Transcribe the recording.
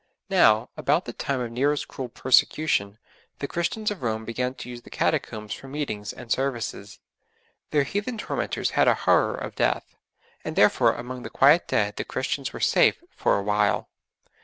Now, about the time of Nero's cruel persecution, the Christians of Rome began to use the Catacombs for meetings and services. Their heathen tormentors had a horror of death, and therefore among the quiet dead the Christians were safe for a while.